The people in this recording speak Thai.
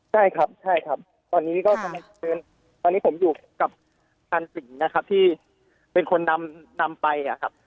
ใช่ครับตอนนี้ผมอยู่กับทานสิงนะครับที่เป็นคนนำไป